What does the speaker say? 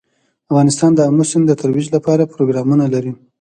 افغانستان د آمو سیند د ترویج لپاره پروګرامونه لري.